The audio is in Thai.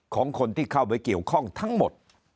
ของคนที่เข้าไปเกี่ยวข้องทั้งหมด